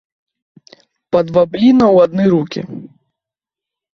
Па два бліна ў адны рукі!